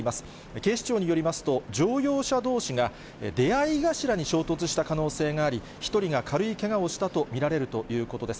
警視庁によりますと、乗用車どうしがであい頭に衝突した可能性があり、１人が軽いけがをしたと見られるということです。